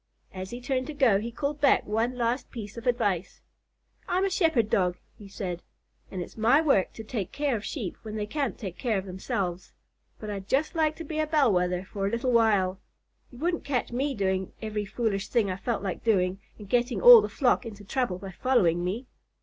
As he turned to go, he called back one last piece of advice. "I'm a Shepherd Dog," he said, "and it's my work to take care of Sheep when they can't take care of themselves, but I'd just like to be a Bell Wether for a little while. You wouldn't catch me doing every foolish thing I felt like doing and getting all the flock into trouble by following me!